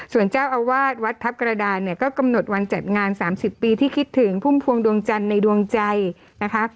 ส่วนเจ้าอาวาสวัดทัพกระดานเนี่ยก็กำหนดวันจัดงาน๓๐ปีที่คิดถึงพุ่มพวงดวงจันทร์ในดวงใจนะคะ